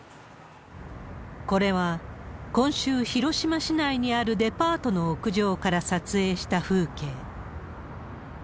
これは今週、広島市内にあるデパートの屋上から撮影した風景。